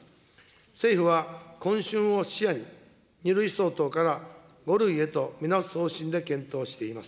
政府は今春を視野に、２類相当から５類へと見直す方針で検討しています。